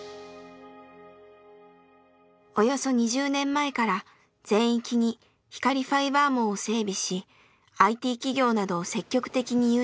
およそ２０年前から全域に光ファイバー網を整備しＩＴ企業などを積極的に誘致。